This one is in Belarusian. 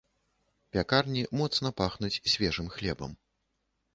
Пякарні моцна пахнуць свежым хлебам.